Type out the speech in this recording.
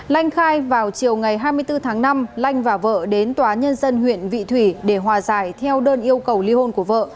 lanh khai vào chiều ngày hai mươi bốn tháng năm lanh và vợ đến tòa nhân dân huyện vị thủy để hòa giải theo đơn yêu cầu ly hôn của vợ